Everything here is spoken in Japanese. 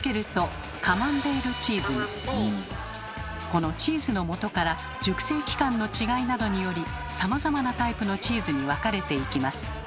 この「チーズのもと」から熟成期間の違いなどによりさまざまなタイプのチーズに分かれていきます。